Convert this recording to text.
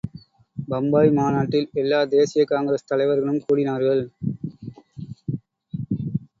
பம்பாய் மாநாட்டில் எல்லாத் தேசியக் காங்கிரஸ் தலைவர்களும் கூடினார்கள்.